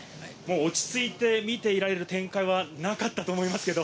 落ち着いて見ていられる展開はなかったと思いますけれど。